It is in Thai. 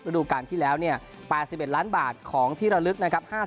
ดูการที่แล้ว๘๑ล้านบาทของที่ระลึกนะครับ